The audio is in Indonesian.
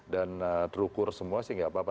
dan terukur semua sih gak apa apa